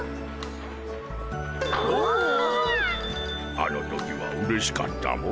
あの時はうれしかったモ。